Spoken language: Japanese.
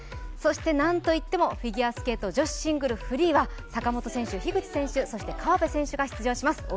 そして何といってもフィギュアスケート女子シングルフリーは坂本選手、樋口選手、そして河辺選手が出演します。